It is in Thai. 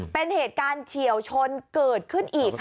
เป็นเหตุการณ์เฉียวชนเกิดขึ้นอีกค่ะ